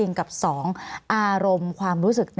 มีความรู้สึกว่ามีความรู้สึกว่า